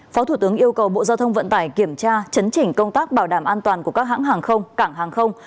phó thủ tướng yêu cầu bộ giao thông vận tải kiểm tra chấn chỉnh công tác bảo đảm an toàn của các hãng hàng không cảng hàng không